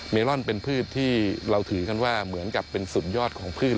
ลอนเป็นพืชที่เราถือกันว่าเหมือนกับเป็นสุดยอดของพืช